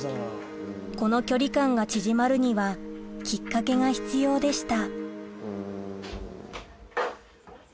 この距離感が縮まるにはきっかけが必要でした